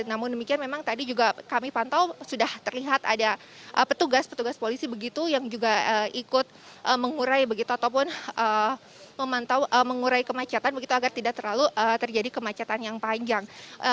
namun demikian memang tadi juga kami pantau sudah terlihat ada petugas petugas polisi begitu yang juga ikut mengurai begitu ataupun memantau mengurai kemacetan begitu agar tidak terlalu terjadi kemacetan yang panjang